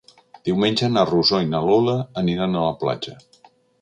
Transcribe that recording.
Diumenge na Rosó i na Lola aniran a la platja.